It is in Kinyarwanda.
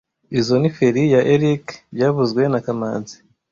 Izoi ni feri ya Eric byavuzwe na kamanzi